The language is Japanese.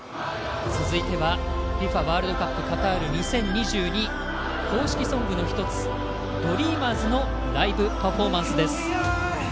続いてはＦＩＦＡワールドカップカタール２０２２公式ソングの１つ「Ｄｒｅａｍｅｒｓ」のライブパフォーマンスです。